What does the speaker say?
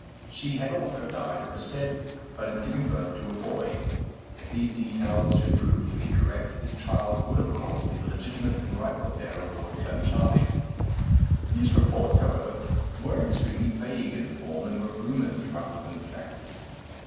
She had also died, it was said, but in giving birth to a boy. If these details should prove to be correct, his child would of course be the legitimate and rightful heir of Lord Clancharlie. These reports, however, were extremely vague in form, and were rumours rather than facts.